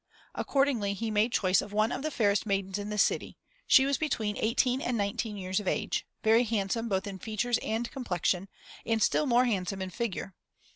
Accordingly, he made choice of one of the fairest maidens in the city; she was between eighteen and nineteen years of age, very handsome both in features and complexion, and still more handsome in figure.